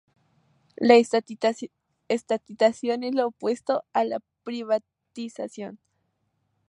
La estatización es lo opuesto a la privatización.